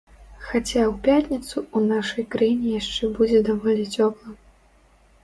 Хаця ў пятніцу ў нашай краіне яшчэ будзе даволі цёпла.